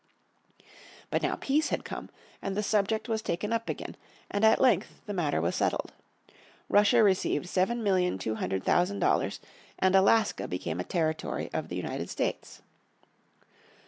But now peace had come, and the subject was taken up again, and at length the matter was settled. Russia received seven million two hundred thousand dollars, and Alaska became a territory of the United States.